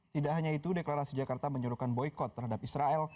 tidak hanya itu deklarasi jakarta menyuruhkan boykot terhadap israel